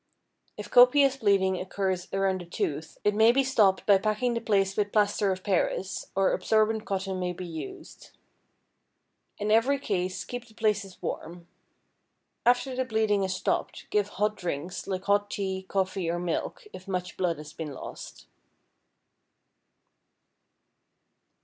If copious bleeding occurs around a tooth, it may be stopped by packing the place with plaster of Paris, or absorbent cotton may be used. In every case, keep the places warm. After the bleeding is stopped, give hot drinks, like hot tea, coffee, or milk, if much blood has been lost.